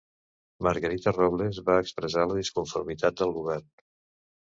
Margarita Robles va expressar la disconformitat del govern